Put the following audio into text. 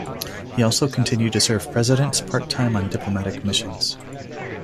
He also continued to serve Presidents part-time on diplomatic missions.